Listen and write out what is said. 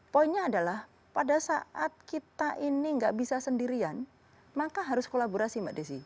poinnya adalah pada saat kita ini nggak bisa sendirian maka harus kolaborasi mbak desi